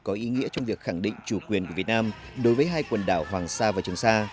có ý nghĩa trong việc khẳng định chủ quyền của việt nam đối với hai quần đảo hoàng sa và trường sa